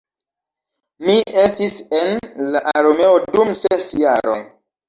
Mi estis en la armeo dum ses jaroj